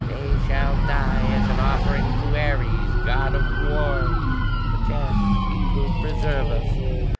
They shall die as an offering to Ares, God of War. Perchance he will preserve us."